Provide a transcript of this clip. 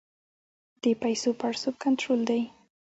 د پیسو پړسوب کنټرول دی؟